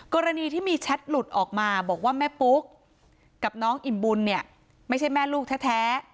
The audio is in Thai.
กรณีที่มีแชทหลุดออกมาบอกว่าแม่ปุ๊กกับน้องอิ่มบุญเนี่ยไม่ใช่แม่ลูกแท้